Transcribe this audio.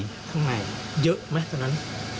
เยอะไหมตอนนั้น